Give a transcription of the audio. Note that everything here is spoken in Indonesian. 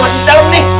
masih dalam nih